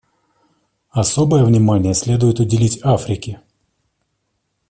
Особое внимание следует уделить Африке.